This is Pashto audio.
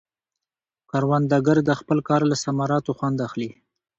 کروندګر د خپل کار له ثمراتو خوند اخلي